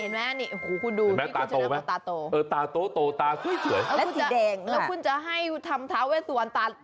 เห็นมั้ยตาโดน